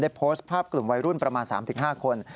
โพสต์ภาพกลุ่มวัยรุ่นประมาณ๓๕คน